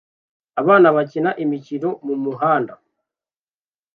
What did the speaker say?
Abana bakina imikino mumuhanda